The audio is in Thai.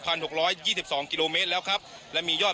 หกร้อยยี่สิบสองกิโลเมตรแล้วครับและมียอด